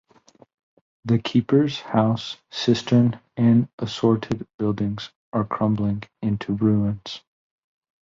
The keepers' house, cistern, and assorted buildings are crumbling into ruins.